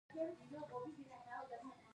یو بل پانګوال په پام کې ونیسئ